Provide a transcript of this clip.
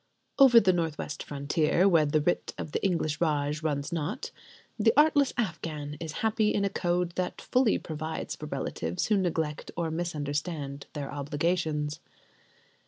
Over the north west frontier, where the writ of the English Raj runs not, the artless Afghan is happy in a code that fully provides for relatives who neglect or misunderstand their obligations.